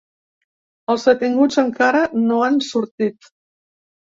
Els detinguts encara no han sortit.